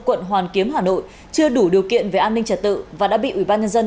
quận hoàn kiếm hà nội chưa đủ điều kiện về an ninh trật tự và đã bị ủy ban nhân dân